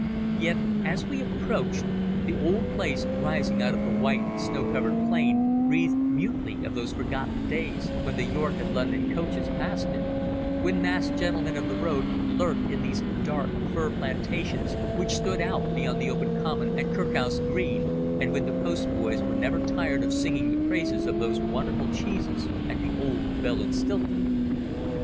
Yet, as we approached, the old place rising out of the white, snow covered plain breathed mutely of those forgotten days when the York and London coaches passed it, when masked gentlemen of the road lurked in these dark, fir plantations which stood out beyond the open common at Kirkhouse Green, and when the post boys were never tired of singing the praises of those wonderful cheeses at the old Bell in Stilton.